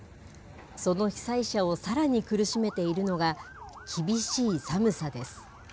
その被災者をさらに苦しめているのが、厳しい寒さです。